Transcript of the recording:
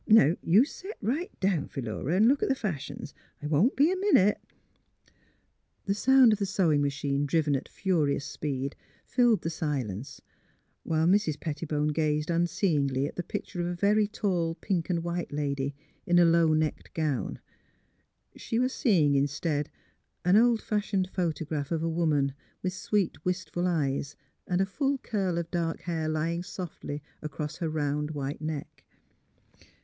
Now you set right down, Philura, an' look at the fashions. I won't be a minute." 184 THE HEAET OF PPIILURA The sound of the sewing machine driven at furious speed filled the silence while Mrs. Petti bone gazed unseeingly at the picture of a very tall, pink and white lady in a low necked gown. She was seeing, instead, an old fashioned photo graph of a woman, with sweet, wistful eyes, and a full curl of dark hair lying softly across her round white neck.